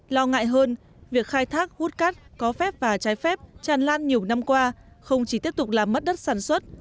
lo ngại hơn việc khai thác hút cát có phép và trái phép tràn lan nhiều năm qua không chỉ tiếp tục làm mất đất sản xuất